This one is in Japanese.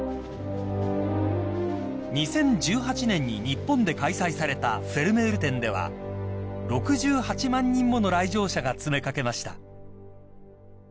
［２０１８年に日本で開催されたフェルメール展では６８万人もの来場者が詰めかけました］